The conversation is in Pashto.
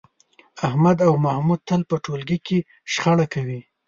احمد او محمود تل په ټولگي کې شخړې کوي